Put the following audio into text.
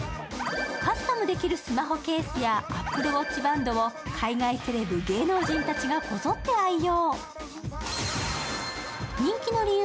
カスタムできるスマホケースやＡｐｐｌｅＷａｔｃｈバンドを海外セレブ、芸能人たちがこぞって愛用。